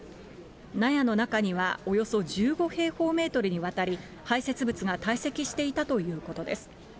納屋の中にはおよそ１５平方メートルにわたり排せつ物が堆積していたということです。